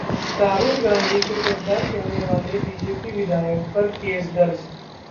राहुल गांधी को गद्दार कहने वाले बीजेपी विधायक पर केस दर्ज